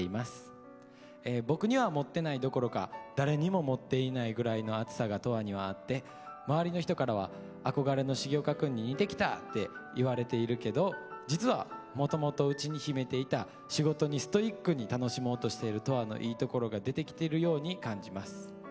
僕には持ってないどころか誰にも持っていないぐらいの熱さが斗亜にはあって周りの人からは憧れの重岡くんに似てきたっていわれているけど実はもともと内に秘めていた仕事にストイックに楽しもうとしている斗亜のいいところが出てきてるように感じます。